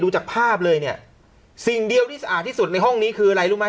จากภาพเลยเนี่ยสิ่งเดียวที่สะอาดที่สุดในห้องนี้คืออะไรรู้ไหม